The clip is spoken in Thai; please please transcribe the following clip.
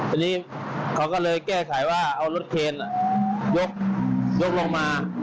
อันนี้เขาก็เลยแก้ไขว่าเอารถเคนยกลงมา